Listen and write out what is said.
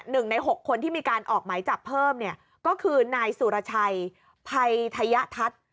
หนึ่งในหกคนที่มีการออกหมายจับเพิ่มเนี่ยก็คือนายสุรชัยภัยทัศน์